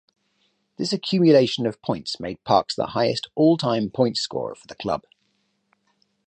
This accumulation of points made Parks the highest all-time points scorer for the club.